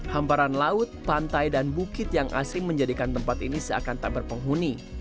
hamparan laut pantai dan bukit yang asing menjadikan tempat ini seakan tak berpenghuni